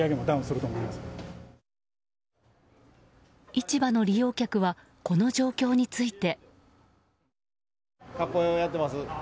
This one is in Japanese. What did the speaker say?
市場の利用客はこの状況について。